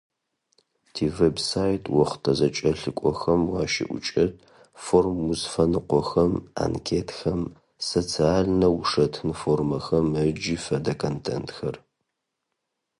Тивеб-сайт охътэ зэкӏэлъыкӏохэм уащыӏукӏэщт форм-узфэныкъохэм, анкетхэм, социальнэ ушэтын формэхэм ыкӏи фэдэ контентхэр.